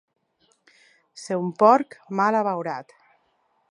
Ser un porc mal abeurat.